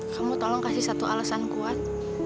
kamu tolong kasih satu alasan kuat